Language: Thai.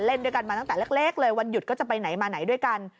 เล่นด้วยกันมาตั้งแต่เล็กเลยวันหยุดก็จะไปไหนมาไหนด้วยกัน